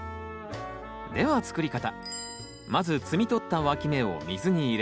では作り方。